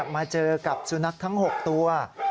มาเจอกับสุนัขทั้ง๖ตัว